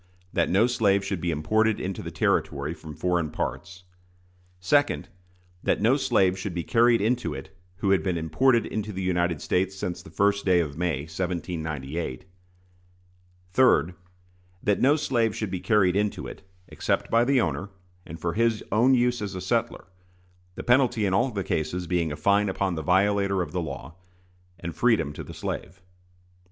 That no slave should be imported into the Territory from foreign parts. 2d. That no slave should be carried into it who had been imported into the United States since the first day of May, 1798. 3d. That no slave should be carried into it, except by the owner, and for his own use as a settler; the penalty in all the cases being a fine upon the violator of the law, and freedom to the slave.